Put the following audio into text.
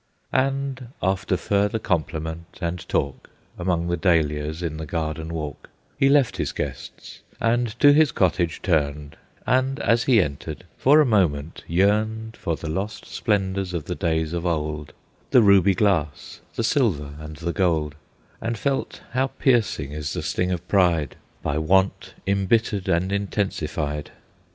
And after further compliment and talk, Among the dahlias in the garden walk He left his guests; and to his cottage turned, And as he entered for a moment yearned For the lost splendors of the days of old, The ruby glass, the silver and the gold, And felt how piercing is the sting of pride, By want embittered and intensified.